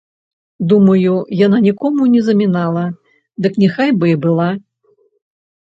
Думаю, яна нікому не замінала, дык няхай бы і была!